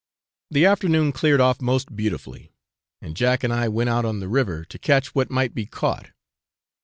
The afternoon cleared off most beautifully, and Jack and I went out on the river to catch what might be caught.